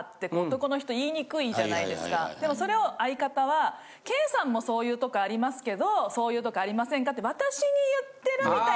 でもそれを相方は「ケイさんもそういうとこありますけどそういうとこありませんか」